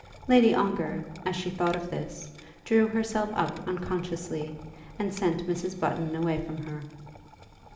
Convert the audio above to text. Lady Ongar, as she thought of this, drew herself up unconsciously, and sent Mrs. Button away from her.